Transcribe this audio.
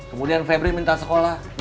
kemudian febri minta sekolah